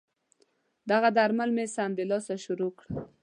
دغه درمل مې سمدلاسه شروع کړل.